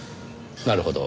なるほど。